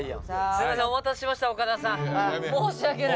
すいませんお待たせしました岡田さん申し訳ない。